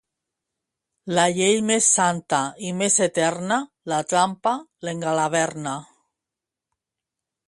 La llei més santa i més eterna la trampa l'engalaverna.